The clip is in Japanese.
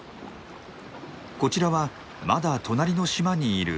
こちらはまだ隣の島にいるエリー。